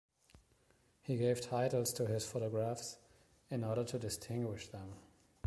He gave titles to his photographs in order to distinguish them.